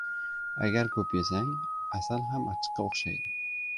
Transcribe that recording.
• Agar ko‘p yesang, asal ham achchiqqa o‘xshaydi.